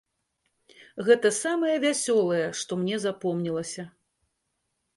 Гэта самае вясёлае, што мне запомнілася.